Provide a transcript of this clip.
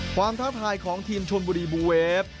ท้าทายของทีมชนบุรีบูเวฟ